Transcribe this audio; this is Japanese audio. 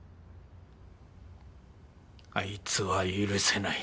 あいつは許せない。